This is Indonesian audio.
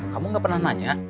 kamu gak pernah nanya